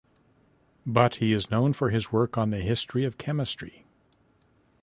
But he is known for his work on the history of chemistry.